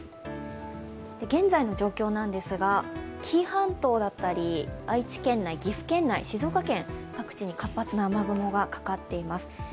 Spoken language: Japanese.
現在の状況ですが、紀伊半島だったり愛知県内、岐阜県内、静岡県、各地に活発な雨雲がかかっています。